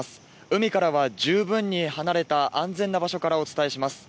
海からは十分に離れた安全な場所からお伝えします。